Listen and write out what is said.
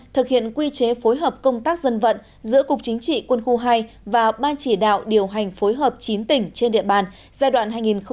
thực hiện quy chế phối hợp công tác dân vận giữa cục chính trị quân khu hai và ban chỉ đạo điều hành phối hợp chín tỉnh trên địa bàn giai đoạn hai nghìn một mươi sáu hai nghìn hai mươi